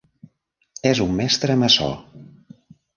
És un mestre maçó.